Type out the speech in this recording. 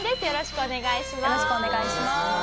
よろしくお願いします。